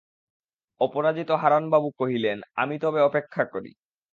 অপরাজিত হারানবাবু কহিলেন, আমি তবে অপেক্ষা করি।